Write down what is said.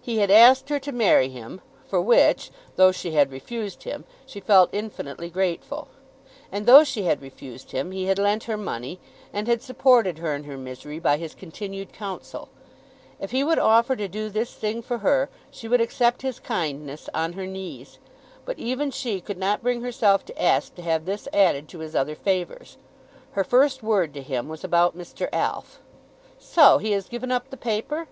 He had asked her to marry him, for which, though she had refused him, she felt infinitely grateful. And though she had refused him, he had lent her money, and had supported her in her misery by his continued counsel. If he would offer to do this thing for her she would accept his kindness on her knees, but even she could not bring herself to ask to have this added to his other favours. Her first word to him was about Mr. Alf. "So he has given up the paper?"